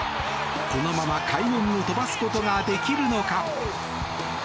このまま快音を飛ばすことができるのか。